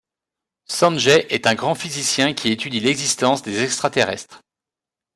Sanjay est un grand physicien qui étudie l'existence des extraterrestres.